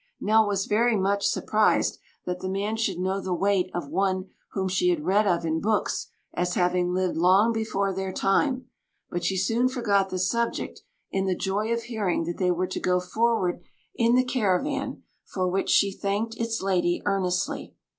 Nell was very much surprised that the man should know the weight of one whom she had read of in books as having lived long before their time; but she soon forgot the subject in the joy of hearing that they were to go forward in the caravan, for which she thanked its lady earnestly.